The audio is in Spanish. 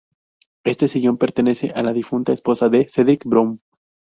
Este sillón pertenece a la difunta esposa de Cedric Brown.